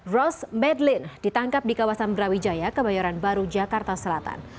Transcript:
ros medlin ditangkap di kawasan brawijaya kebayoran baru jakarta selatan